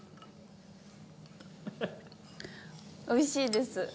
おいしいです。